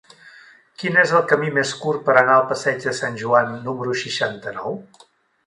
Quin és el camí més curt per anar al passeig de Sant Joan número seixanta-nou?